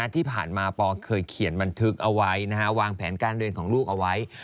ที่ผ่านมาปอเคยเขียนบันทึกเอาไว้วางแผนการเรียนของลูกเอาไว้